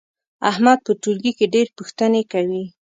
احمد په ټولګي کې ډېر پوښتنې کوي.